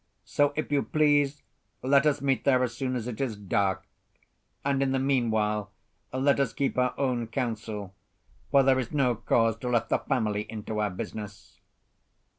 So, if you please, let us meet there as soon as it is dark; and in the meanwhile, let us keep our own counsel, for there is no cause to let the family into our business."